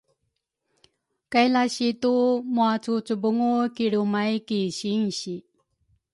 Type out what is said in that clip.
kay lasitu muacucubungu kilrumay ki sinsi.